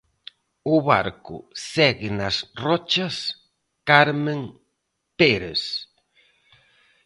O barco segue nas rochas, Carmen Pérez.